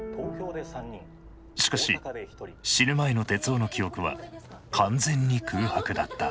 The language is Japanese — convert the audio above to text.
しかし死ぬ前の徹生の記憶は完全に空白だった。